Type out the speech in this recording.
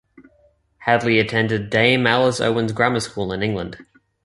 Hadley attended Dame Alice Owen's Grammar School in England.